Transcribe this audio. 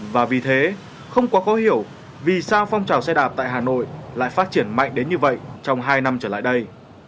và vì thế không quá khó hiểu vì sao phong trào xe đạp tại hà nội lại phát triển mạnh đến như vậy trong hai năm trở lại đây